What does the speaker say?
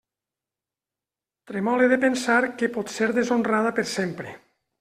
Tremole de pensar que pot ser deshonrada per sempre.